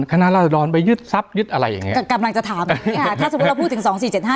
คณะราษฎรไปยึดทรัพยึดอะไรอย่างเงี้กำลังจะถามแบบนี้ค่ะถ้าสมมุติเราพูดถึงสองสี่เจ็ดห้า